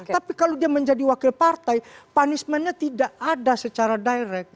tapi kalau dia menjadi wakil partai punishmentnya tidak ada secara direct